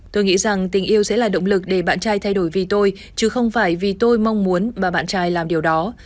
tôi nghĩ rằng tình yêu sẽ là động lực để bạn trai thay đổi vì tôi chứ không phải vì tôi mong muốn bà bạn trai làm điều đó